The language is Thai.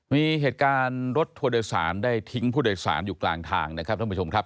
มีเหตุการณ์รถทัวร์โดยสารได้ทิ้งผู้โดยสารอยู่กลางทางนะครับท่านผู้ชมครับ